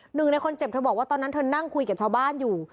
หนึ่งในคนเจ็บเธอบอกว่าตอนนั้นเธอนั่งคุยกับชาวบ้านอยู่